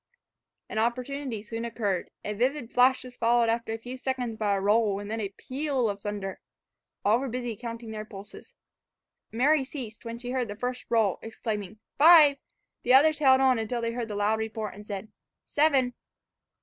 An opportunity soon occurred. A vivid flash was followed after a few seconds by a roll, and then by a peal of thunder. All were busy counting their pulses. Mary ceased when she heard the first roll, exclaiming "Five!" The others held on until they heard the loud report, and said "Seven."